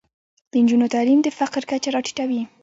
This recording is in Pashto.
د نجونو تعلیم د فقر کچه راټیټوي.